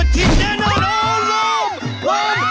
ทิ้งแดนอ่อนโหลม